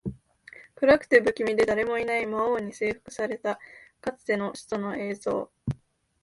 暗くて、不気味で、誰もいない魔王に征服されたかつての首都の映像